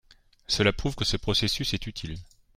Cela prouve que ce processus est utile.